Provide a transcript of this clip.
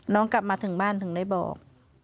น้องกลับมาถึงบ้านถึงได้บอก